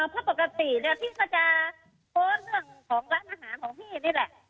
เพราะปกติพี่ก็จะโพสต์เรื่องของร้านอาหารของพี่นี่แหละ